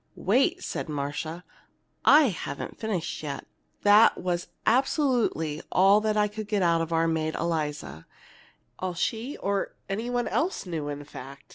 "Wait!" said Marcia. "I haven't finished yet. That was absolutely all I could get out of our maid Eliza, all she or any one else knew, in fact.